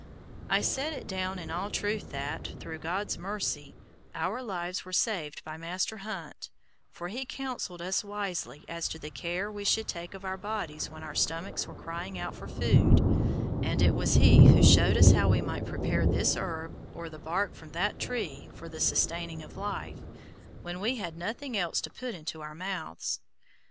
I set it down in all truth that, through God's mercy, our lives were saved by Master Hunt, for he counseled us wisely as to the care we should take of our bodies when our stomachs were crying out for food, and it was he who showed us how we might prepare this herb or the bark from that tree for the sustaining of life, when we had nothing else to put into our mouths.